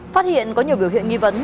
phát hiện có nhiều biểu hiện nghi vấn